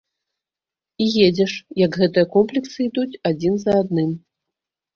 І едзеш, як гэтыя комплексы ідуць адзін за адным.